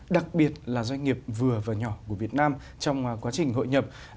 đặc biệt là doanh nghiệp vừa và nhỏ của việt nam trong quá trình hội nhập